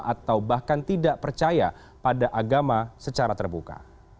atau bahkan tidak percaya pada agama secara terbuka